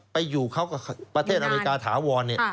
ไปอยู่เขากับประเทศอเมริกาถาวรเนี่ย